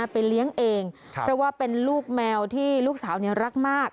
ไปเลี้ยงเองเพราะว่าเป็นลูกแมวที่ลูกสาวรักมาก